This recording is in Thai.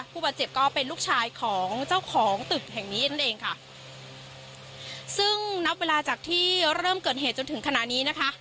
ผู้บาดเจ็บก็เป็นลูกชายของเจ้าของตึกแห่งนี้นั่นเองค่ะซึ่งนับเวลาจากที่เริ่มเกิดเหตุจนถึงขณะนี้นะคะ